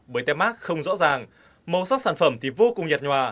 bởi tép mắc không rõ ràng màu sắc sản phẩm thì vô cùng nhạt nhòa